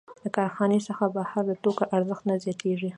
د کارخانې څخه بهر د توکو ارزښت نه زیاتېږي